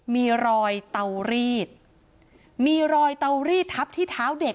มีรอยเตารีดมีรอยเตารีดทับที่เท้าเด็ก